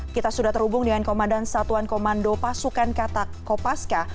kita sudah terhubung dengan komandan satuan komando pasukan kata kopaska